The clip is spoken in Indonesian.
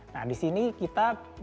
nah di sini kita bisa memulai berpikir